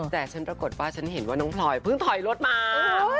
แต่ฉันปรากฏว่าฉันเห็นว่าน้องพลอยเพิ่งถอยรถมา